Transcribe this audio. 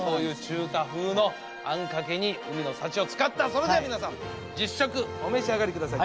それでは皆さん実食お召し上がりください。